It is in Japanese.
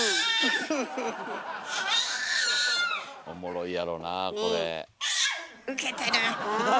おもろいやろなこれ。